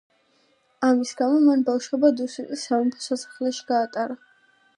ამის გამო მან ბავშვობა დუსიტის სამეფო სასახლეში გაატარა.